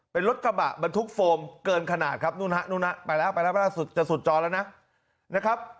เป็นรถกระบะบรรทุกโฟมเกินขนาดครับนู่นนะไปแล้วจะสุดจอแล้วนะ